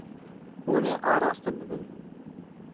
Hûn ê araste bibin.